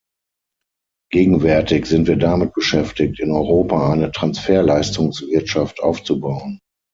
Gegenwärtig sind wir damit beschäftigt, in Europa eine Transferleistungswirtschaft aufzubauen.